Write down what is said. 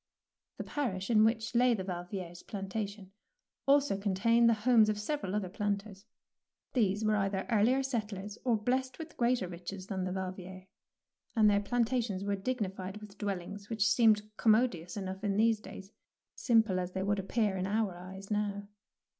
' The parish in which lay the Yalviers' plantation also contained the homes of several other planters. These were either earlier settlers or blessed with greater riches than the Yalviers, and their plantations were dignified with dwellings which seemed commodious enough in those days, simple as they would appear in our eyes now.